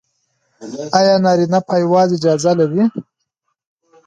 ایا نارینه پایواز اجازه لري؟